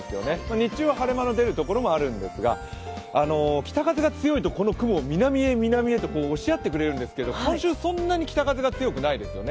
日中は晴れ間の出るところもあるんですが北風が強いと、この雲は南へ南へと押し合ってくれるんですが、今週、そんなに北風が強くないんですよね。